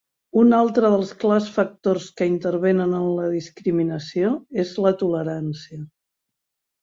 Un altre dels clars factors que intervenen en la discriminació és la tolerància.